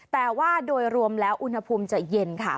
แต่ว่าโดยรวมแล้วอุณหภูมิจะเย็นค่ะ